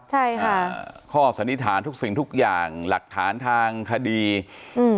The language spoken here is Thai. ใช่ค่ะข้อสันนิษฐานทุกสิ่งทุกอย่างหลักฐานทางคดีอืม